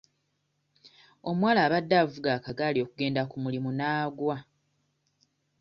Omuwala abadde avuga akagaali okugenda ku mulimu n'agwa.